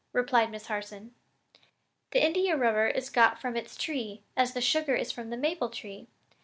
replied Miss Harson. "The India rubber is got from its tree as the sugar is from the maple tree.